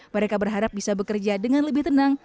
mereka berharap bisa bekerja dengan lebih tenang